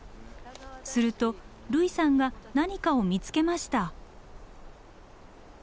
すると類さんが何かを見つけました。